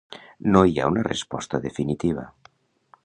No hi ha una resposta definitiva.